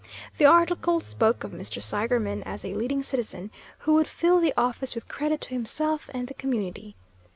The article spoke of Mr. Seigerman as a leading citizen, who would fill the office with credit to himself and the community.